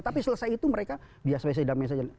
tapi selesai itu mereka biasa biasa damai saja